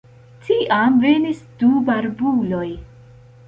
Tiam venis du barbuloj.